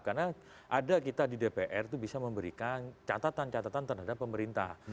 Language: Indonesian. karena ada kita di dpr itu bisa memberikan catatan catatan terhadap pemerintah